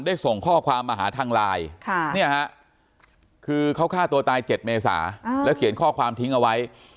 ส่งข้อความมาหาทางไลน์คือเขาฆ่าตัวตาย๗เมษาแล้วเขียนข้อความทิ้งเอาไว้